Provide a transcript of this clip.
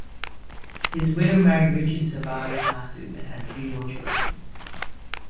His widow married Richard Savage Nassau and had three more children.